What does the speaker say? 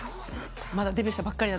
まだデビューしたばっかり。